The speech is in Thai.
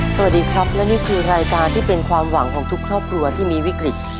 สวัสดีครับและนี่คือรายการที่เป็นความหวังของทุกครอบครัวที่มีวิกฤต